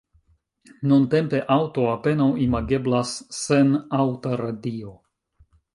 Nuntempe aŭto apenaŭ imageblas sen aŭta radio.